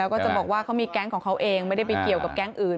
แล้วก็จะบอกว่าเขามีแก๊งของเขาเองไม่ได้ไปเกี่ยวกับแก๊งอื่น